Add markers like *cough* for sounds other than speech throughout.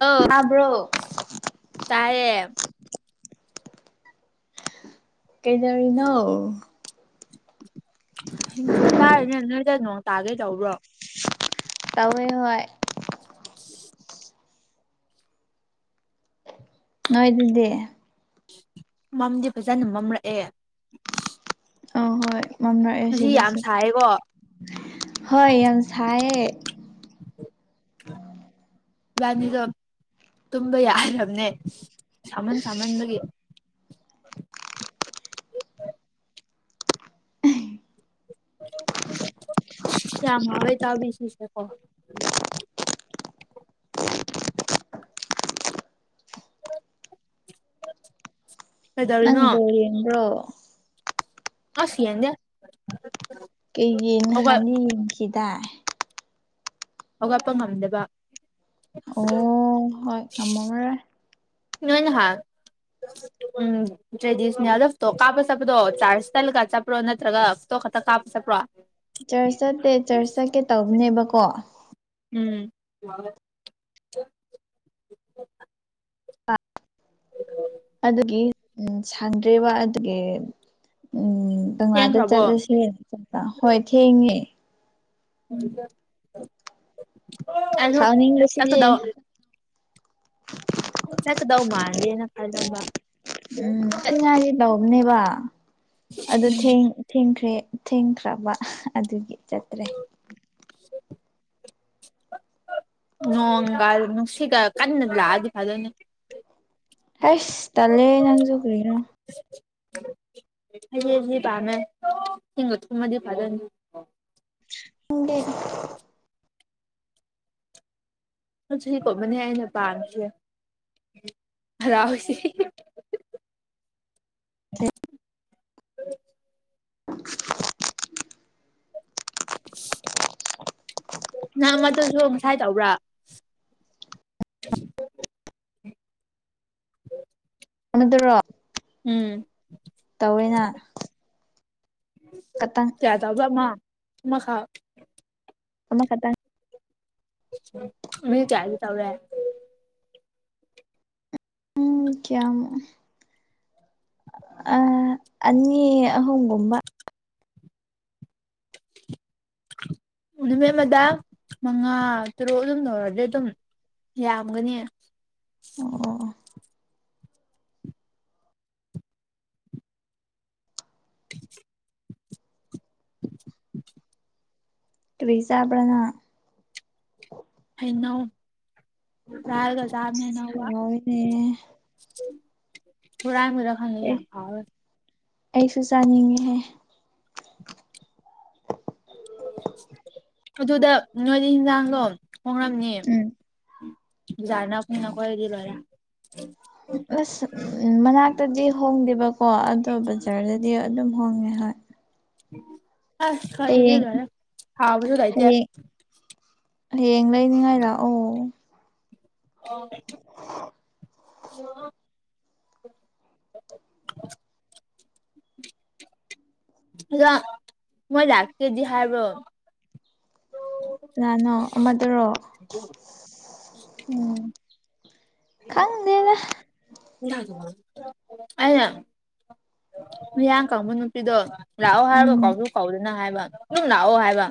ꯑ ꯇꯥꯕ꯭ꯔꯣ ꯇꯔꯦ ꯀꯩꯗꯔꯤꯅꯣ ꯁꯤꯡꯖꯨ ꯆꯥꯔꯤꯅꯦ ꯅꯣꯏꯗ ꯅꯣꯡ ꯇꯥꯈꯩꯗꯧꯕ꯭ꯔꯣ ꯇꯋꯦ ꯍ ꯎꯝ ꯅꯣꯏ ꯑꯗꯨꯗꯤ ꯃꯝꯗꯤ ꯐꯖꯅ ꯃꯝꯔꯛꯑꯦ ꯃꯝꯂꯛꯑꯦ ꯉꯁꯤ ꯌꯥꯝ ꯁꯤꯗꯁꯨ ꯁꯥꯏꯌꯦꯀꯣ ꯍꯣꯏ ꯌꯥꯝ ꯁꯥꯏꯌꯦ ꯕꯥꯅꯤꯗꯣ ꯇꯨꯝꯕ ꯌꯥꯈ꯭ꯔꯕꯅꯦ ꯁꯃꯥꯟ ꯁꯃꯥꯟ ꯒ ꯁꯃ ꯍ ꯇ ꯁꯤ ꯁꯀꯣ ꯅꯪ ꯀꯩꯗꯧꯔꯤꯅꯣ ꯕꯣ ꯌꯦꯡꯕ꯭ꯔꯣ ꯍꯁꯤ ꯌꯥꯗꯦ ꯀꯩꯒꯤ ꯅꯍꯥꯟꯅꯤ ꯌꯦꯡꯈꯤꯗꯥ ꯑꯋꯥꯠꯄ ꯉꯝꯗꯕ ꯑꯣ ꯍꯣꯏ ꯉꯃꯉꯔꯦ ꯏ ꯍꯥ *inaudible* ꯎꯝ ꯇ꯭ꯔꯦꯗꯤꯁꯅꯤꯗ ꯐꯞ ꯇꯣ ꯀꯥꯄ ꯆꯞꯄꯗꯣ ꯆꯥꯁꯇꯜꯒ ꯆꯄ꯭ꯔꯣ ꯑꯣꯟ꯭ꯔꯒ ꯣ ꯈꯛꯇ ꯀꯥꯞꯄ ꯆꯠꯄ꯭ꯔꯣ ꯆꯔꯆ ꯆꯠꯇꯦ ꯆꯔꯆ ꯆꯠꯀꯦ ꯇꯧꯕꯅꯦꯕꯀꯣ ꯎꯝ ꯑꯗꯨꯒꯤ ꯎ ꯁꯥꯡꯗ꯭ꯦꯔꯤꯕ ꯑꯗꯨꯒꯤ ꯎꯝ ꯀꯪꯂꯥꯗ ꯊꯦꯡꯈ꯭ꯔꯕꯣ ꯆꯠꯂꯁꯦꯅ ꯆꯄ ꯍꯣꯏ ꯊꯦꯡꯉꯦ ꯑꯍ ꯁꯥꯎꯅꯤꯡꯕꯁꯤꯗꯤ ꯆꯥꯛꯀꯗ ꯆꯀꯗꯧ ꯃꯗꯦꯅ ꯀꯗꯝꯕ ꯎꯝ ꯆꯠꯉꯥꯏꯁꯦ ꯇꯧꯕꯝꯅꯦꯕ ꯑꯗꯨ ꯊꯦꯡ ꯊꯈ꯭ꯔꯦ ꯊꯦꯡꯈ꯭ꯔꯕ ꯑꯗꯨꯒꯤ ꯆꯠꯇ꯭ꯔꯦ ꯎꯝ ꯅꯣꯡꯒ ꯅꯨꯡꯁꯤꯠꯒ ꯀꯟꯅꯗꯤ ꯂꯥꯛꯑꯗꯤ ꯐꯥꯗꯣꯏꯅꯦ ꯑꯁ ꯇꯂꯦ ꯅꯪꯖꯒꯂꯤꯅ ꯍꯦ ꯍ ꯄꯥꯝꯃꯦ ꯊ ꯊꯨꯝꯃꯗꯤ ꯐꯥꯖ ꯍꯦ ꯆꯠꯁꯨ ꯀꯣꯃꯅꯤ ꯑꯩꯅ ꯄꯥꯝꯃꯤꯁꯦ ꯍꯔꯥꯎꯁ ꯍ *inaudible* ꯅꯪ ꯃꯗꯨꯁꯨ ꯉꯁꯥꯏ ꯇꯧꯕ꯭ꯔꯥ ꯗꯔꯣ ꯎꯝ ꯇꯧꯋꯦꯅ ꯎꯝ ꯈꯇꯪ ꯌꯥꯗꯕ ꯃꯥ ꯃꯈꯥ ꯑꯃꯃ ꯈꯇ ꯃꯤ ꯆ ꯇꯧꯔꯦ ꯎꯝ ꯀꯦꯃ ꯑ ꯑꯅꯤ ꯑꯍꯨꯝꯒꯨꯝꯕ ꯅꯨꯃꯤꯠ ꯑꯃꯗ ꯃꯉꯥ ꯇꯔꯨꯛ ꯑꯗꯨꯝ ꯇꯧꯔꯗꯤ ꯑꯗꯨꯝ ꯌꯥꯝꯒꯅꯤ ꯑꯣ *inaudible* *inaudible* ꯀꯔꯤ ꯆꯥꯕꯔ ꯅꯪ ꯫ ꯍꯩꯅꯧ ꯍꯨꯔꯥꯟꯂꯒꯆꯥꯕꯅꯦ ꯅꯧꯕ ꯍꯥꯎꯋꯤꯅꯦ ꯫ ꯍꯨꯔꯥꯟꯕꯗ ꯈꯪꯉꯦ ꯑꯦ ꯌꯥꯝ ꯍꯥꯎꯏ ꯑꯩꯁꯨ ꯆꯥꯅꯤꯡꯉꯤꯍꯦ ꯫ ꯑꯗꯨꯗ ꯅꯣꯏꯅ ꯌꯦꯟꯖꯥꯡꯗꯣ ꯍꯣꯡꯂꯝꯅꯤ ꯎꯝ ꯕꯖꯔ ꯅꯛꯄꯅꯤꯅ ꯑꯩꯈꯣꯏꯗꯤ ꯂꯣꯏꯔꯦ ꯫ ꯑꯁ ꯎꯝ ꯃꯅꯥꯛꯇꯗꯤ ꯍꯣꯡꯗꯦꯕꯀꯣ ꯑꯗꯣ ꯕꯖꯥꯔꯗꯗꯤ ꯑꯗꯨꯝ ꯍꯣꯡꯉꯦ ꯍꯥꯏ ꯫ ꯑꯁ ꯍꯌꯦꯡ ꯈꯖꯔꯦ ꯍꯥꯎꯕꯨꯁꯨ ꯂꯩꯇꯦ ꯍꯌꯦꯡ ꯍꯌꯦꯡ ꯂꯩꯅꯤꯡꯉꯥꯏ ꯂꯥꯛꯑꯣ ꯫ *unintelligible* *inaudible* *unintelligible* *unintelligible* ꯑꯗꯣ ꯃꯣꯏ ꯂꯥꯛꯀꯦꯗꯤ ꯍꯥꯢꯕꯔꯣ *inaudible* ꯀꯅꯥꯅꯣ ꯑꯃꯥꯗꯨꯔꯣ ꯎꯝ ꯈꯪꯗꯦꯗ ꯑꯩꯅ ꯃꯌꯥꯡ ꯀꯪꯕ ꯅꯨꯄꯤꯗꯣ ꯂꯥꯛꯑꯣ ꯍꯥꯏꯔꯒ ꯎꯝ ꯀꯥꯎꯁꯨ ꯀꯧꯗꯅ ꯍꯥꯏꯕ ꯫ ꯑꯗꯨꯝ ꯂꯥꯛꯑꯣ ꯍꯥꯏꯕ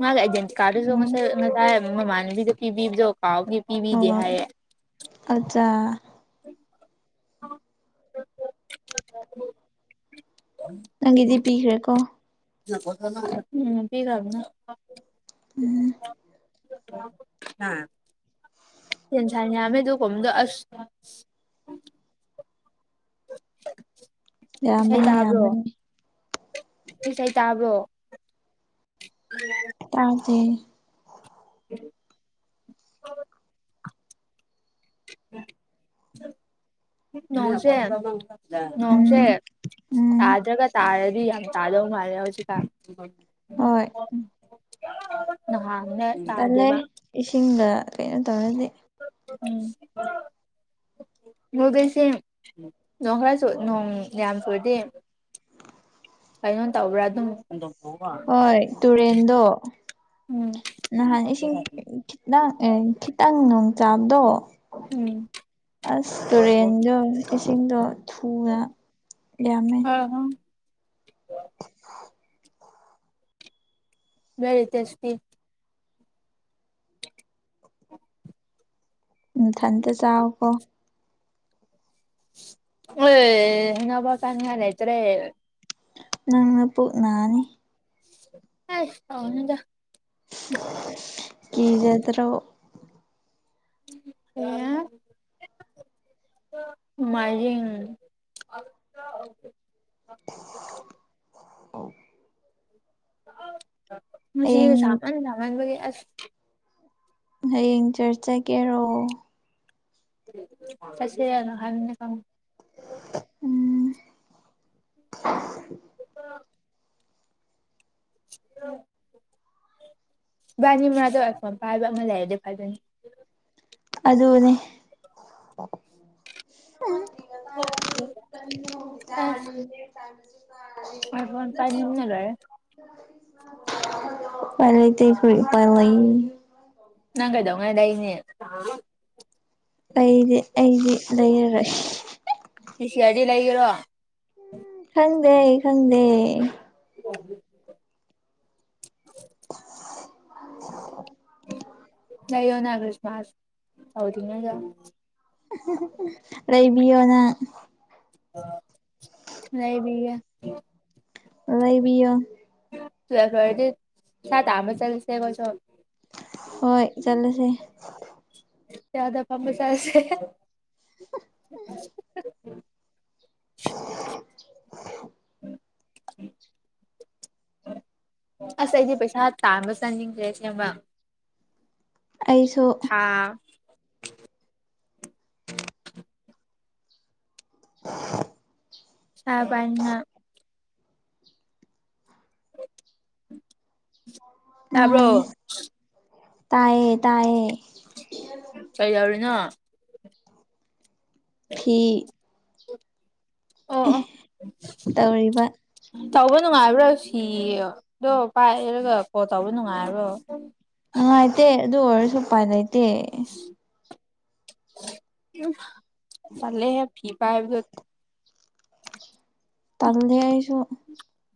ꯃꯥꯒ ꯑꯥꯏꯗꯦꯟꯇꯤ ꯀꯥꯔꯗꯨꯁꯨ ꯎꯝ ꯉꯁꯥꯏ ꯃꯃꯥꯟꯕꯤꯗꯣ ꯄꯤꯕꯤꯕꯗꯣ ꯀꯥꯎꯕꯒꯤ ꯄꯤꯕꯤꯗꯦ ꯍꯥꯏꯌꯦ꯫ ꯑꯆꯥ *unintelligible* *unintelligible* ꯎꯝ ꯅꯪꯒꯤꯗꯤ ꯄꯤꯈ꯭ꯔꯦꯀꯣ ꯄꯤꯈꯔꯥꯕꯅꯦ ꯫ ꯇꯦꯟꯁꯟ ꯌꯥꯝꯃꯦ ꯑꯗꯨꯒꯨꯝꯕꯗꯣ ꯑꯁ ꯫ ꯏꯁꯩ ꯌꯥꯝꯕꯅꯦ - ꯇꯥꯕ꯭ꯔꯣ ꯌꯥꯝꯕꯅꯦ ꯏꯁꯩ ꯇꯥꯕ꯭ꯔꯣ ꯇꯥꯗꯦ *unintelligible* ꯅꯣꯡꯁꯦ ꯅꯣꯡꯁꯦ ꯎꯝ ꯎꯝ ꯇꯥꯗ꯭ꯔꯒ ꯇꯥꯔꯗꯤ ꯌꯥꯝ ꯇꯥꯗꯧ ꯃꯥꯜꯂꯦ ꯍꯧꯖꯤꯛꯀꯥꯟ ꯍꯣꯏ ꯫ ꯑꯍꯥꯟꯅꯦ ꯇꯜꯂꯦ ꯏꯁꯤꯡꯗ ꯀꯩꯅꯣ ꯇꯧꯔꯗꯤ ꯫ ꯎꯝ ꯃꯨꯗꯦꯁꯦ ꯅꯣꯡ ꯈꯔꯆꯨ ꯅꯣꯡ ꯌꯥꯝ ꯆꯨꯗꯤ ꯫ ꯀꯩꯅꯣ ꯇꯧꯕ꯭ꯔꯥ ꯑꯗꯨꯝ ꯍꯣꯏ ꯇꯨꯔꯦꯟꯗꯣ ꯎꯝ ꯅꯍꯥꯟ ꯏꯁꯤꯡ ꯈꯤ ꯅꯪ ꯑꯦ ꯈꯤꯇꯪ ꯅꯣꯡ ꯆꯥꯕꯗꯣ ꯎꯝ ꯑꯁ ꯇꯨꯔꯦꯟꯗꯣ ꯏꯁꯤꯡꯗꯣ ꯫ ꯊꯨꯅ ꯌꯥꯝꯃꯦ ꯑ ꯕꯦꯔꯤ ꯇꯦꯁꯇꯤ ꯫ ꯅꯊꯟꯇ ꯆꯥꯎꯌꯣꯀꯣ ꯫ ꯎ ꯉꯕꯥꯛ ꯆꯥꯅꯤꯉꯥꯏ ꯂꯩꯇ꯭ꯔꯦ ꯅꯪꯅ ꯄꯨꯛꯅꯅꯤ ꯑꯁ ꯇꯧꯅꯨꯗ ꯀꯤꯖꯥꯗ꯭ꯔꯣ ꯑꯦ ꯃ ꯑ ꯍꯌꯦꯡ ꯁꯃꯅ ꯁꯃꯅꯦ ꯍꯌꯦꯡ ꯆꯔꯁ ꯆꯠꯒꯦꯔꯣ ꯆꯠꯁꯦꯅ ꯍꯥꯝꯅꯦ ꯈꯪꯗꯦ ꯎꯝ ꯏꯕꯥꯅꯤ ꯃꯥꯔꯛꯇ ꯑꯥꯏ ꯐꯣꯟ ꯄꯥꯏꯕ ꯑꯃ ꯂꯩꯔꯗꯤ ꯐꯥꯗꯨꯏꯅꯦ ꯑꯗꯨꯅꯤ *unintelligible* ꯑꯥꯏ ꯐꯣꯟ ꯄꯥꯏꯅꯤꯝꯅ ꯂꯣꯏꯔꯦ ꯎꯄꯥꯏ ꯂꯩꯇꯦ ꯎꯄꯥꯏ ꯂꯩ ꯅꯪ ꯀꯩꯗꯧꯉꯩ ꯂꯩꯅꯤ ꯑꯩꯗꯤ ꯑꯩꯗꯤ ꯂꯩꯔꯔꯣꯏ ꯁꯤ ꯁꯤꯌꯥꯗꯩ ꯂꯩꯒꯦꯔꯣ ꯈꯪꯗꯦ ꯑꯩ ꯈꯪꯗꯦ ꯂꯩꯌꯣꯅ ꯀ꯭ꯔꯤꯁ ꯃꯥꯁ ꯍꯧꯗ꯭ꯔꯤꯉꯩꯗ ꯂꯩꯕꯤꯌꯣ ꯅꯪ ꯂꯩꯕꯤꯒꯦ ꯂꯩꯕꯤꯌꯣ ꯇ ꯐꯗꯤ ꯁꯥ ꯇꯥꯟꯕ ꯆꯠꯂꯁꯦ ꯑꯩꯈꯣꯏꯁꯨ ꯍꯣꯏ ꯆꯠꯂꯁꯦ ꯆꯗ ꯄꯝꯕꯁꯥꯁꯦ *unintelligible* ꯎꯝ ꯑꯁ ꯑꯩꯗꯤ ꯄꯩꯁꯥ ꯇꯥꯥꯟꯕ ꯆꯥꯅꯤꯡꯗ꯭ꯔꯦ ꯁꯦꯝꯕ ꯑꯩꯁꯨ ꯑ ꯎ *unintelligible* ꯄꯩꯁꯥ ꯄꯥꯏꯅꯤꯉꯥꯏ ꯃꯥꯅꯦ ꯇꯥꯕ꯭ꯔꯣ ꯇꯥꯏꯌꯦ ꯇꯥꯏꯌꯦ ꯀꯩꯗꯧꯔꯤꯅꯣ ꯄꯤ ꯑꯣ ꯑꯣ ꯇꯧꯔꯤꯕ ꯇꯧꯕ ꯅꯨꯡꯉꯥꯏꯕ꯭ꯔꯥ ꯁꯤꯗꯣ ꯄꯥꯏꯔꯒ ꯀꯣꯜ ꯇꯧꯕ ꯅꯨꯡꯉꯥꯏꯕ꯭ꯔꯣ ꯅꯨꯡꯉꯥꯏꯇꯦ ꯑꯗꯨ ꯑꯣꯏꯔꯁꯨ ꯎꯄꯥꯏ ꯂꯩꯇꯦ ꯆꯦꯍꯦ ꯐꯤ ꯄꯥꯏꯕꯗꯣ ꯇꯜꯂꯦ ꯑꯩꯁꯨ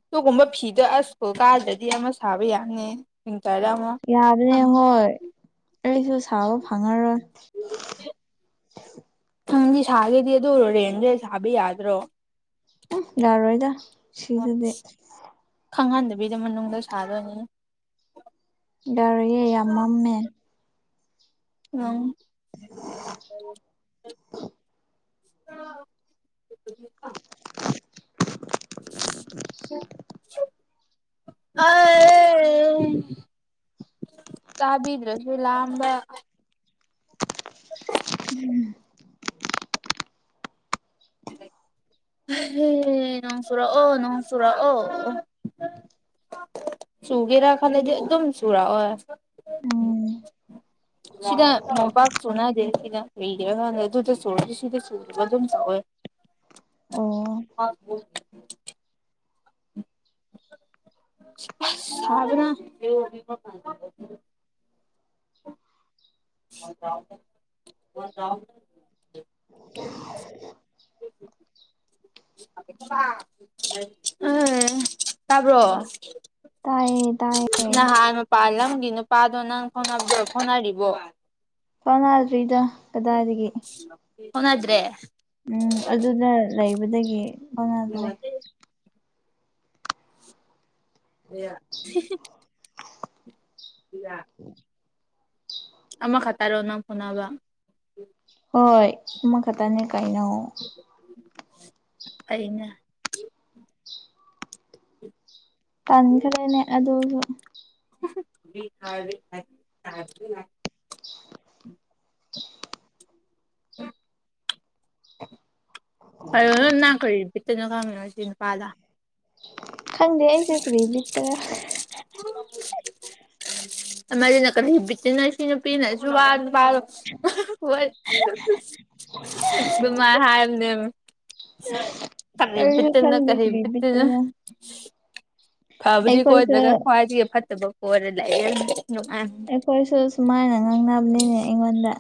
ꯑꯗꯨꯒꯨꯝꯕ ꯐꯤꯗꯣ ꯑꯁ ꯀꯣ ꯀꯥꯗꯗꯤ ꯑꯃ ꯁꯥꯕ ꯌꯥꯅꯤ ꯋꯤꯟꯇꯔꯗ ꯑꯃ ꯌꯥꯕꯅꯦ ꯍꯣꯏ ꯑꯩꯁꯨ ꯁꯥꯕ ꯐꯪꯉꯔꯣꯏ ꯅꯪꯗꯤ ꯁꯥꯒꯦꯗꯤ ꯑꯗꯨꯔꯣ ꯔꯦꯟꯗ꯭ꯔꯦ ꯁꯥꯕ ꯌꯥꯗ꯭ꯔꯣ ꯎ ꯌꯥꯔꯣꯏꯗ ꯁꯤꯗꯗꯤ ꯑꯁ ꯈꯪꯍꯟꯗꯕꯤꯗ ꯃꯅꯨꯡꯗ ꯁꯥꯗꯣꯏꯅꯤ ꯌꯥꯔꯣꯏꯌꯦ ꯌꯥꯝ ꯃꯝꯃꯦ ꯑꯥ *unintelligible* *unintelligible* ꯑ ꯇꯥꯕꯤꯗ꯭ꯔꯁ ꯂꯥꯝꯕ ꯎꯝ ꯍ ꯅꯣꯡ ꯆꯨꯔꯥ ꯑꯣ ꯅꯣꯡ ꯆꯨꯔ ꯑꯣ ꯁꯨꯒꯦꯔ ꯈꯦꯗꯤ ꯑꯦꯝ ꯁꯨꯨꯔ ꯑꯣꯏ ꯎꯝ ꯁꯤꯗ ꯃꯣꯝꯄꯥꯛ ꯁꯨꯅꯗꯦ ꯁꯤꯗ ꯂꯩꯗ꯭ꯔ ꯀꯥꯟꯗ ꯑꯗꯨꯗ ꯁꯨꯔ ꯁꯤꯗ ꯁꯨꯕ ꯑꯗꯨꯝ ꯁꯥꯎꯋꯦ *unintelligible* ꯑꯣ ꯑ ꯍꯥꯏꯕ꯭ꯔ *unintelligible* ꯎꯝ ꯇꯥꯕ꯭ꯔꯣ ꯇꯥꯏꯌꯦ ꯇꯥꯏꯌꯦ ꯅꯍꯥꯟ ꯃꯄꯥꯜ ꯂꯝꯒꯤ ꯅꯨꯄꯥꯗꯣ ꯅꯪ ꯍꯣꯠꯅꯔꯤꯕꯣ ꯐꯅꯔꯤꯗ ꯍꯟꯗ꯭ꯔꯦ ꯎꯝ ꯑꯗꯨꯅ ꯂꯩꯕꯗꯒꯤ ꯀꯧꯅꯗ꯭ꯔꯦ ꯍ ꯌꯥ ꯎꯝ ꯑꯃꯛ ꯈꯇ ꯔꯅꯥ ꯐꯅꯥꯕ ꯍꯣꯏ ꯑꯃ ꯈꯛꯇꯅꯤ ꯀꯥꯏꯅꯣ ꯑꯩꯅ ꯇꯟꯈ꯭ꯔꯦꯅꯦ ꯑꯗꯨ ꯕꯤꯍꯥ ꯍꯥꯏꯥ ꯑꯅꯅꯥ ꯀ ꯄꯇꯅ ꯀꯃꯤꯖꯤ ꯄꯥꯗ ꯈꯪꯗꯦ ꯑꯩꯁꯨꯦ ꯀꯗꯤꯕꯤꯠꯇ꯭ꯔꯥ ꯑꯃꯗꯤꯅ ꯀ ꯍꯦꯕꯤꯠꯇꯤꯅꯁꯤ ꯅꯨꯄꯤꯅꯁꯨꯔ ꯃꯔ ꯍꯥ ꯑꯅꯦ ꯀꯔꯤꯕꯤ ꯑꯩꯁꯨ ꯇꯅ ꯈꯪꯗꯦ ꯀꯔꯤ ꯀꯔꯤꯕꯤ ꯇꯅ ꯕꯤꯠꯇꯅꯣ ꯐꯕꯨꯗꯤ ꯑꯩꯈꯣꯏꯁꯨ ꯀꯣꯏꯗ꯭ꯔꯒ ꯈ꯭ꯋꯥꯏꯗꯒꯤ ꯐꯠꯇꯕ ꯀꯣꯏꯔ ꯂꯥꯛꯑꯦ ꯅꯨꯡꯉꯥꯏ ꯑꯩꯈꯣꯏꯁꯨ ꯁꯨꯃꯥꯏꯅ ꯉꯥꯡꯅꯕꯅꯤꯅꯦ ꯑꯩꯉꯣꯟꯗ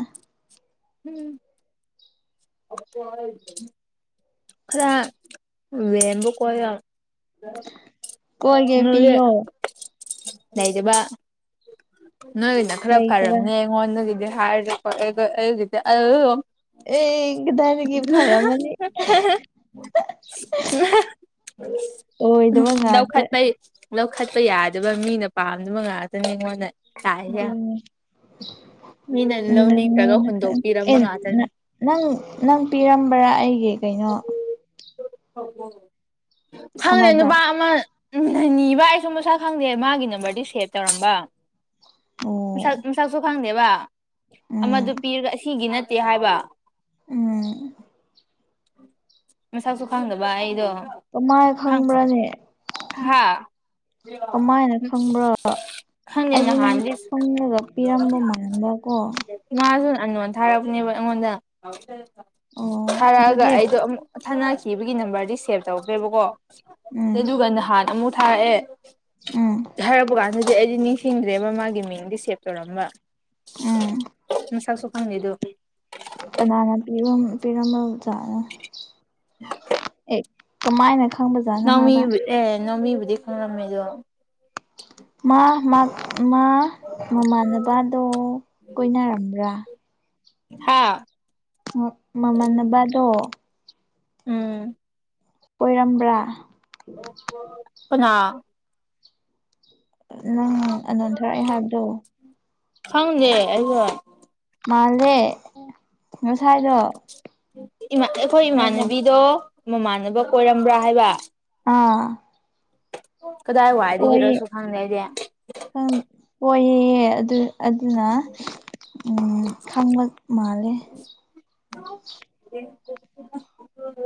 ꯎꯝ ꯑ ꯈꯔ ꯂꯦꯝꯕ ꯀꯣꯣꯏꯔ ꯀꯣꯏꯒꯦ ꯄꯤꯌꯣ ꯂꯩꯗꯕ ꯅꯣꯏꯅ ꯈꯔ ꯂꯩꯇꯕ ꯐꯔꯕꯅꯦ ꯟꯒꯗꯦ ꯍꯥꯦꯗꯦ ꯑ ꯑꯦꯗꯥꯔꯒꯤ ꯐꯔ ꯃꯅꯤ ꯑꯣꯏꯗꯕ ꯗꯎ ꯈ ꯉꯥꯛꯇ ꯄꯥꯏ ꯂꯧꯈꯠꯄ ꯌꯥꯗꯕ ꯃꯤꯅ ꯄꯥꯝꯗꯕ ꯉꯥꯛꯇꯅꯤ ꯑꯩꯉꯣꯟꯗ ꯇꯥꯏꯁꯦ ꯑ ꯃꯤꯅ ꯂꯧꯅꯤꯡꯗ꯭ꯔꯒ ꯍꯨꯟꯗꯣꯛꯄꯤꯔꯝꯕ ꯉꯥꯛꯇꯅꯤ ꯅꯪ ꯅꯪ ꯄꯤꯔꯝꯕ꯭ꯔꯥ ꯑꯩꯒꯤ ꯀꯩꯅꯣ ꯐꯪꯉꯦ ꯑꯃꯗ ꯅꯨꯄꯥ ꯑꯃ ꯎꯝ ꯅꯤꯕ ꯑꯩꯁꯨ ꯃꯁꯛ ꯈꯪꯗꯦ ꯃꯥꯒꯤ ꯅꯝꯕꯔꯗꯤ ꯁꯦꯚ ꯇꯧꯔꯝꯕ ꯁꯛ ꯑꯣ ꯃꯁꯛꯁꯨ ꯈꯪꯗꯦꯕ ꯑꯃꯗꯨ ꯎꯝ ꯄꯤꯔꯒ ꯑꯁꯤꯒꯤ ꯅꯠꯇꯦ ꯍꯥꯏꯕ ꯎꯝ ꯃꯁꯥꯛꯁꯨ ꯈꯪꯗꯕ ꯑꯩꯗꯣ ꯃꯥꯏꯅ ꯈꯪꯕ꯭ꯔꯥꯅꯦ ꯍꯥꯥ ꯀꯃꯥꯏꯅ ꯈꯪꯕ꯭ꯔꯥ ꯈꯪꯗꯦ ꯑꯩꯗꯤ ꯅꯪ ꯅꯍꯥꯟꯗꯤ ꯈꯪꯉꯒ ꯄꯤꯔꯝꯕ ꯃꯥꯟꯕ ꯀꯣ ꯏꯃꯥꯁꯨ ꯑꯅꯣꯟ ꯊꯥꯔꯛꯄꯅꯦꯕ ꯑꯩꯉꯣꯟꯗ ꯑꯣ ꯊꯥꯔꯛꯑꯒ ꯑꯗꯨꯗꯤ ꯑꯩꯗꯣ ꯑꯃꯛ ꯊꯥꯅꯈꯤꯕꯒꯤ ꯅꯝꯕꯔꯗꯤ ꯁꯦꯚ ꯇꯧꯗ꯭ꯔꯦꯕꯀꯣ ꯎꯝ ꯑꯗꯨꯗꯨꯒ ꯅꯍꯥꯟ ꯑꯃꯨꯛ ꯊꯥꯔꯛꯑꯦ ꯎꯝ ꯍꯥꯏꯔꯛꯄ ꯀꯥꯟꯗꯗꯤ ꯑꯩꯗꯤ ꯅꯤꯡꯁꯤꯡꯗ꯭ꯔꯦ ꯃꯃꯥꯒꯤ ꯃꯤꯡꯗꯤ ꯁꯦꯞ ꯇꯧꯔꯝꯕ ꯎꯝ ꯃꯁꯥꯛꯁꯨ ꯐꯪꯅꯤꯗꯨ ꯀꯅꯥꯅ ꯄꯤ ꯄꯤꯔꯝꯕꯖꯥꯅꯣ ꯑꯦ ꯀꯃꯥꯏꯅ ꯈꯪꯕꯖꯥꯠꯅꯣ ꯅꯥꯎꯃꯤ ꯍꯥꯏꯕ ꯑꯦ ꯅꯃꯤꯕꯨꯗꯤ ꯈꯪꯂꯝꯝꯃꯦꯗꯣ ꯃꯥ ꯃꯥ ꯃꯃꯥꯟꯅꯕꯗꯣ ꯀꯣꯏꯅꯔꯝꯕ꯭ꯔꯥ ꯍꯥꯥ ꯃꯃ ꯅꯕꯂꯣ ꯎꯝ ꯑꯣꯏꯔꯝꯕ꯭ꯔꯥ ꯄꯨ ꯍꯥ ꯅꯪ ꯑꯗꯨꯅꯣꯟꯊꯔꯛꯑ ꯍꯥꯏꯕꯗꯣ ꯈꯪꯅꯦꯦ ꯑꯩꯁꯨ ꯃꯥꯂꯦ ꯃꯁꯥꯏꯗꯣ ꯑꯩꯈꯣꯏ ꯏꯃꯥꯟꯅꯕꯤꯗꯣ ꯃꯃꯥꯟꯅꯕ ꯀꯣꯏꯔꯝꯕ꯭ꯔꯥ ꯍꯥꯏꯕ ꯑꯥ ꯀꯗꯥꯏ ꯑꯣꯏꯌꯦ ꯋꯥꯏꯗꯒꯤꯔꯁꯨ ꯈꯪꯗꯩꯁꯦ ꯑꯣꯏꯌꯦ ꯑꯗꯨ ꯑꯗꯨꯅ ꯎ ꯈꯪꯕ ꯃꯥꯜꯂꯦ *inaudible*